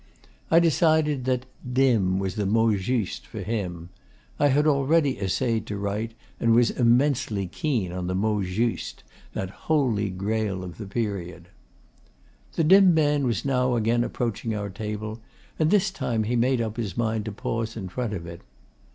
I decided that 'dim' was the mot juste for him. I had already essayed to write, and was immensely keen on the mot juste, that Holy Grail of the period. The dim man was now again approaching our table, and this time he made up his mind to pause in front of it.